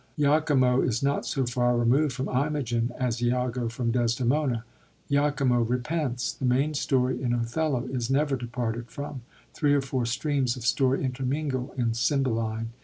lachimo is not so far removed from Imogen as lago from Des demona; lachimo repents. The main story in OtheUa is never departed from ; three or four streams of story intermingle in Cymbeline.